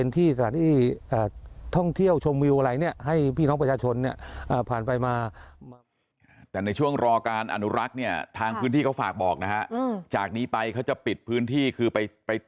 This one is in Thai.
แต่ในช่วงรอการอนุรักษ์เนี่ยทางพื้นที่เขาฝากบอกนะฮะจากนี้ไปเขาจะปิดพื้นที่คือไป